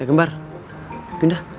eh gembar pindah